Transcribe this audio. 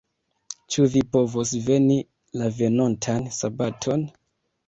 Ĉu vi povos veni la venontan sabaton?